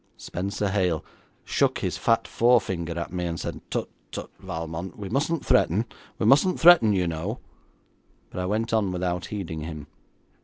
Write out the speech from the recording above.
Spenser Hale shook his fat forefinger at me, and said, 'Tut, tut, Valmont; we mustn't threaten, we mustn't threaten, you know;' but I went on without heeding him.